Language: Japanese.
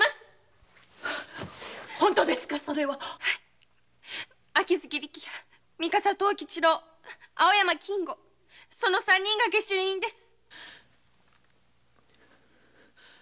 本当ですか秋月力弥三笠藤吉郎青山金吾その三人が下手人です。